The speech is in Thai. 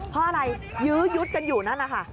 เพราะอะไรยื้อยุดกันอยู่นั่นนะคะ